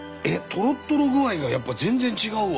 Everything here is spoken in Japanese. とろっとろ具合がやっぱ全然違うわ。